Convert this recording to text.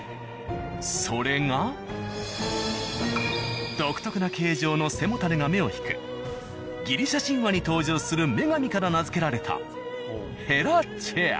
それが独特な形状の背もたれが目を引くギリシャ神話に登場する女神から名付けられた。